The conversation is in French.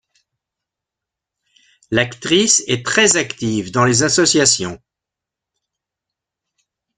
L'actrice est très active dans les associations.